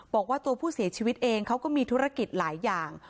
บอกว่าตัวผู้เสียชีวิตเองเขาก็มีธุรกิจหลายอย่าง